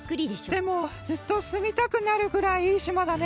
でもずっとすみたくなるくらいいいしまだね。